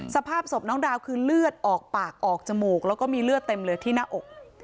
สภาพศพน้องดาวคือเลือดออกปากออกจมูกแล้วก็มีเลือดเต็มเลยที่หน้าอก